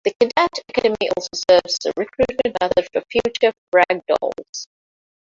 The Cadette Academy also serves as a recruitment method for future Frag Dolls.